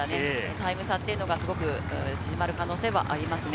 タイム差というのがすごく縮まる可能性はありますね。